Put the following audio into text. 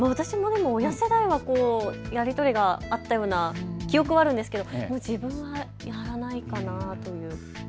親世代はやり取りがあったような記憶はあるんですが自分はやらないかなという感じです。